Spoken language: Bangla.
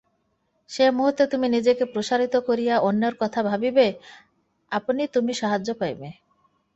যে-মুহূর্তে তুমি নিজেকে প্রসারিত করিয়া অন্যের কথা ভাবিবে, অমনি তুমি সাহায্য পাইবে।